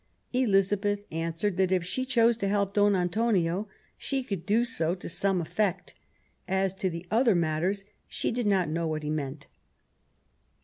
Elizabeth answered that if she chose to help Don Antonio she could do so to some effect; as to' the other matters, she did not know what he meant.